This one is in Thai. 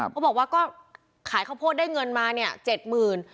เขาบอกว่าก็ขายข้าวโพสได้เงินมา๗หมื่น